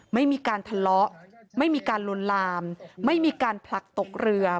ไม่มีการทะเลาะไม่มีการลวนลามไม่มีการผลักตกเรือ